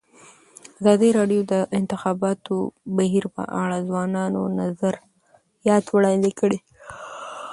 ازادي راډیو د د انتخاباتو بهیر په اړه د ځوانانو نظریات وړاندې کړي.